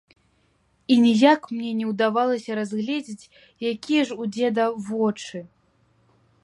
І ніяк мне не ўдавалася разгледзець, якія ж у дзеда вочы.